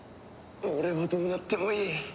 俺はどうなってもいい。